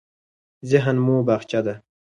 ذهن مو باغچه ده.